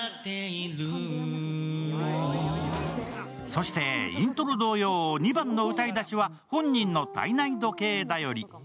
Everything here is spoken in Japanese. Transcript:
そしてイントロ同様、２番の歌いだしは本人の体内時計頼り。